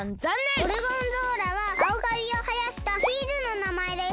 ゴルゴンゾーラは青カビをはやしたチーズの名前です。